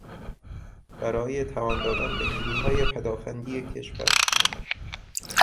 برای توان دادن به نیروهای پدآفندی کشور